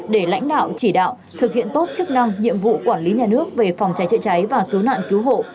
để lãnh đạo chỉ đạo thực hiện tốt chức năng nhiệm vụ quản lý nhà nước về phòng cháy chữa cháy và cứu nạn cứu hộ